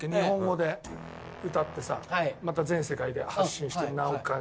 日本語で歌ってさまた全世界で発信して。